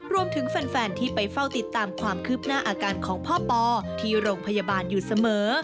รวมถึงแฟนที่ไปเฝ้าติดตามความคืบหน้าอาการของพ่อปอที่โรงพยาบาลอยู่เสมอ